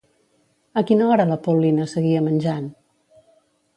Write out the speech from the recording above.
A quina hora la Paulina seguia menjant?